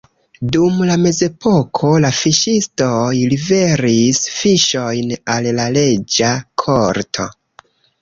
Dum la mezepoko la fiŝistoj liveris fiŝojn al la reĝa korto.